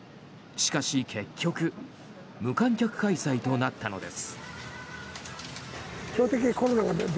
しかし、結局無観客開催となったのです。